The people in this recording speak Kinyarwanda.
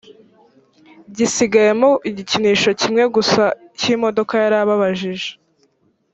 gisigayemo igikinisho kimwe gusa cy imodoka yarababajije